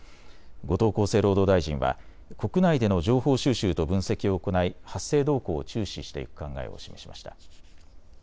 後藤厚生労働大臣は国内での情報収集と分析を行い発生動向を注視していく考えを示しました。